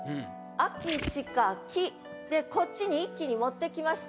「秋近き」でこっちに一気に持ってきます。